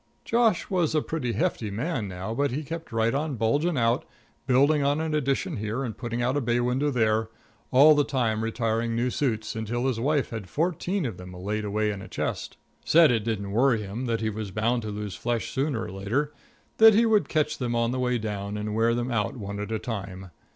Josh was a pretty hefty man now, but he kept right on bulging out, building on an addition here and putting out a bay window there, all the time retiring new suits, until his wife had fourteen of them laid away in the chest. Said it didn't worry him; that he was bound to lose flesh sooner or later. That he would catch them on the way down, and wear them out one at a time.